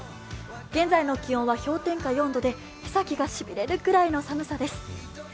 現在の気温は氷点下４度で手先がしびれるぐらいの寒さです。